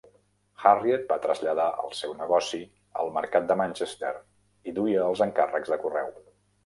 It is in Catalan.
Harriet va traslladar el seu negoci al mercat de Manchester i duia els encàrrecs de correu.